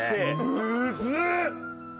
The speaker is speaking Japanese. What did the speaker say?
むずっ！